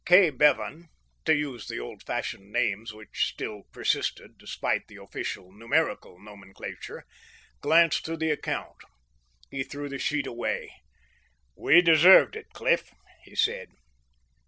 Kay Bevan to use the old fashioned names which still persisted, despite the official numerical nomenclature glanced through the account. He threw the sheet away. "We deserved it, Cliff," he said.